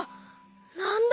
なんだ？